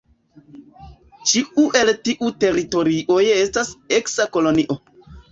Ĉiu el tiuj teritorioj estas eksa kolonio.